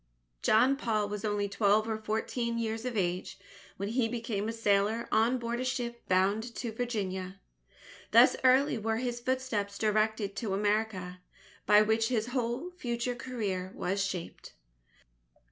John Paul was only twelve or fourteen years of age, when he became a sailor on board a ship bound to Virginia. Thus early were his footsteps directed to America, by which his whole future career was shaped.